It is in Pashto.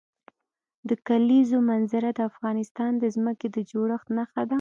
د کلیزو منظره د افغانستان د ځمکې د جوړښت نښه ده.